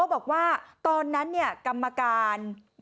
บอกว่าตอนนั้นกรรมการ